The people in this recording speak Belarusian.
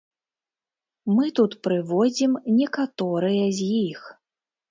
Мы тут прыводзім некаторыя з іх.